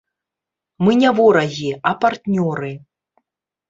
Мы не ворагі, а партнёры.